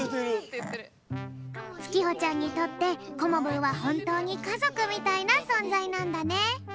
つきほちゃんにとってコモブーはほんとうにかぞくみたいなそんざいなんだね。